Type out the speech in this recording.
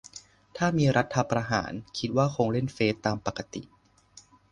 ถ้ามี รัฐประหาร คิดว่าคงเล่นเฟซตามปกติ